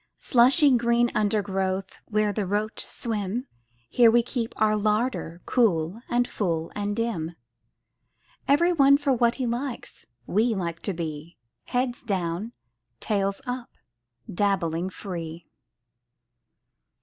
Slushy green undergrowth Where the roach swim — Here we keep our larder, Cool and full and dim. Every one for what he likes! We like to be Heads down, tails up, Dabbling free!